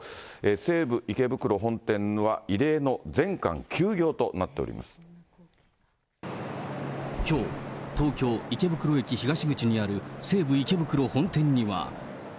西武池袋本店は、きょう、東京・池袋駅東口にある西武池袋本店には。